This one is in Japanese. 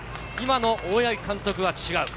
でも今の大八木監督は違う。